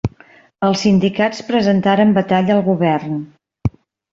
Els sindicats presentaren batalla al govern.